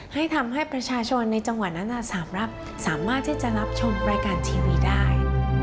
ให้ทำให้ประชาชนในจังหวัดนั้น๓รับสามารถที่จะรับชมรายการทีวีได้